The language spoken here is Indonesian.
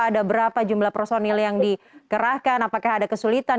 ada berapa jumlah personil yang dikerahkan apakah ada kesulitan